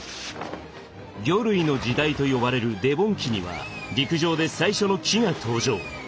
魚類の時代と呼ばれるデボン紀には陸上で最初の木が登場。